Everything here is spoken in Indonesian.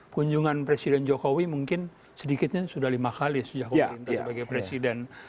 kunjungan presiden jokowi mungkin sedikitnya sudah lima kali sejak pemerintah sebagai presiden